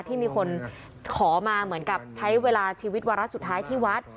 ที่มีคนขอมาเหมือนกับใช้เวลาชีวิตวาระสุดท้ายที่วัด